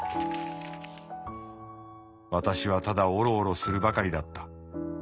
「私はただオロオロするばかりだった。